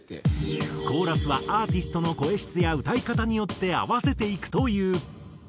コーラスはアーティストの声質や歌い方によって合わせていくという。